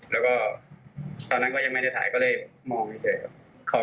แล้วก็ตอนนั้นก็ยังไม่ได้ถ่ายก็เลยมองเฉยครับ